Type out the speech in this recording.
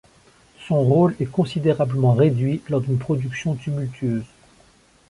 Son rôle est considérablement réduit lors d'une production tumultueuse.